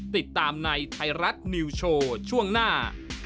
ติดตามในไทยรัฐนิวโชว์ช่วงหน้า